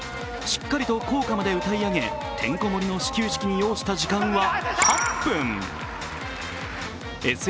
しっかりと校歌まで歌い上げ、てんこ盛りの始球式に要した時間は８分。